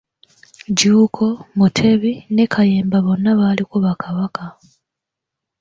Jjuuko, Mutebi ne Kayemba bonna baaliko Bakabaka.